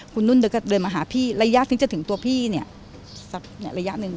คุณนุ่นเดินมาหาพี่ระยะถึงจะถึงตัวพี่เนี่ยสักระยะหนึ่ง